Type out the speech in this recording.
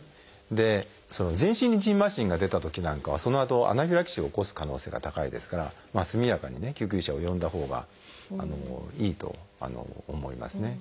で全身にじんましんが出たときなんかはそのあとアナフィラキシーを起こす可能性が高いですから速やかに救急車を呼んだほうがいいと思いますね。